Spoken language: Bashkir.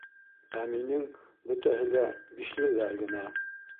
— Ә минең бөтәһе лә «бишле»ләр генә!..